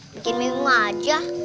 bikin bingung aja